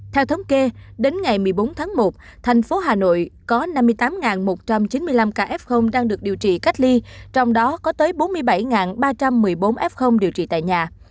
theo thống kê đến ngày một mươi bốn tháng một thành phố hà nội có năm mươi tám một trăm chín mươi năm ca f đang được điều trị cách ly trong đó có tới bốn mươi bảy ba trăm một mươi bốn f điều trị tại nhà